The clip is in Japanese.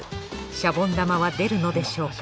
シャボン玉は出るのでしょうか？